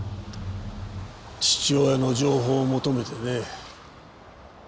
父親の情報を求めてね。